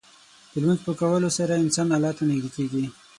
د لمونځ په کولو سره انسان الله ته نږدې کېږي.